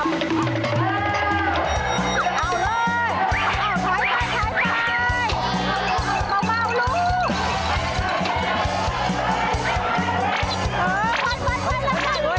เอาเลย